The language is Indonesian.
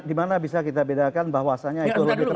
di mana bisa kita bedakan bahwasannya itu lebih keras